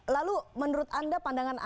lalu menurut anda